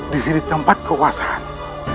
disini tempat keuasaanku